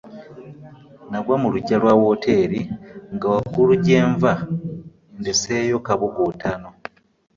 Nagwa mu lujja lwa wooteeri nga waggulu gye nva ndeseeyo kabuguutaano.